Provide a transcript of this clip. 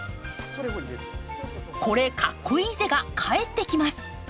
「これ、かっこイイぜ！」が帰ってきます。